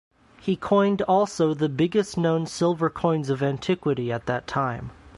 He coined also the biggest known silver coins of antiquity at that time.